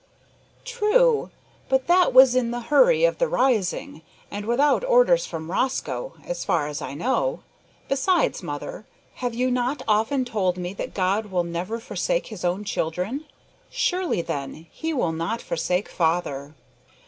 "True; but that was in the hurry of the rising, and without orders from Rosco, as far as I know. Besides, mother, have you not often told me that God will never forsake His own children? Surely, then, He will not forsake father."